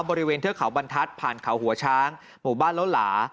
บริเวณเทือเขาบรรทัศน์ผ่านเขาหัวช้างหมู่บ้านล้อหลา